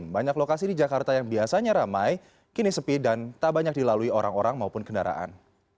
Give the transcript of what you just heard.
banyak lokasi di jakarta yang biasanya ramai kini sepi dan tak banyak dilalui orang orang maupun kendaraan